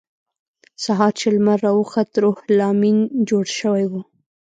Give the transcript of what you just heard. سهار چې لمر راوخوت روح لامین جوړ شوی و